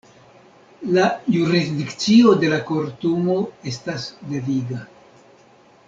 La jurisdikcio de la Kortumo estas deviga.